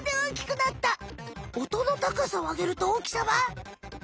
音の高さをあげると大きさは？